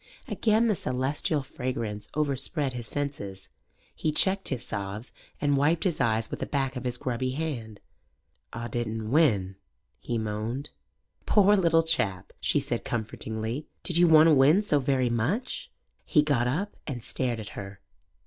Again the celestial fragrance overspread his senses. He checked his sobs and wiped his eyes with the back of his grubby hand. "Aw didn't win," he moaned. "Poor little chap," she said comfortingly. "Did you want to win so very much?" He got up and stared at her.